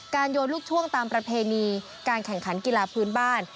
โยนลูกช่วงตามประเพณีการแข่งขันกีฬาพื้นบ้าน